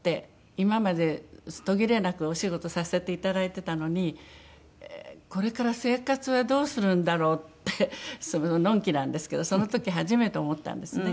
今まで途切れなくお仕事させていただいてたのにこれから生活はどうするんだろう？ってのんきなんですけどその時初めて思ったんですね。